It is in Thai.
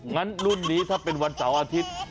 งั้นรุ่นนี้ถ้าเป็นวันเสาร์อาทิตย์